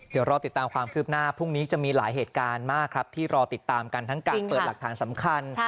เดี๋ยวรอติดตามความคืบหน้าพรุ่งนี้จะมีหลายเหตุการณ์มากครับที่รอติดตามกันทั้งการเปิดหลักฐานสำคัญ